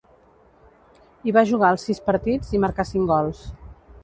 Hi va jugar els sis partits, i marcà cinc gols.